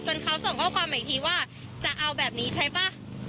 จนเขาส่งเข้าความหมายถึงว่าจะเอาแบบนี้ใช่ป่ะ